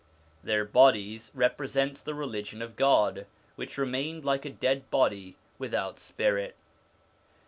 ' Their bodies ' represents the Religion of God, which remained like a dead body without spirit.